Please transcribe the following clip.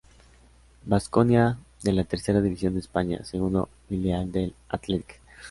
Basconia de la Tercera División de España, segundo filial del Athletic.